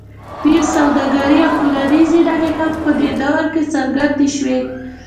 دین، سوداګري او ټولنیزې نښې هم په دې دوره کې څرګندې شوې.